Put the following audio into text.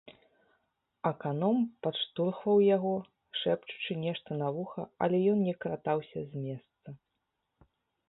Аканом падштурхваў яго, шэпчучы нешта на вуха, але ён не кратаўся з месца.